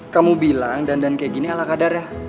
kamu bilang dandan kayak gini ala kadarnya